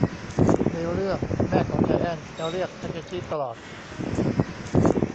ในเรื่องแม่ของไจแอนท์จะเรียกทาเคชิตลอด